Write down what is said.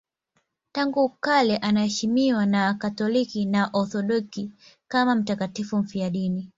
Tangu kale anaheshimiwa na Wakatoliki na Waorthodoksi kama mtakatifu mfiadini.